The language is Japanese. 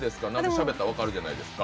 しゃべったら分かるじゃないですか。